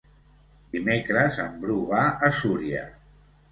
Dimecres en Bru va a Súria.